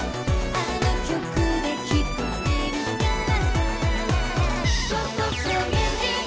「あの曲が聞こえるから」